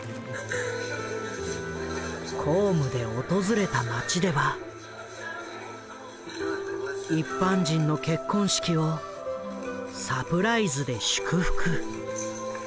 公務で訪れた町では一般人の結婚式をサプライズで祝福。